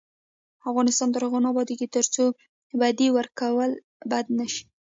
افغانستان تر هغو نه ابادیږي، ترڅو بدی ورکول بند نشي.